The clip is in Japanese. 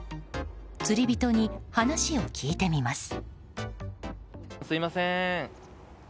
釣り人に話を聞いてみます。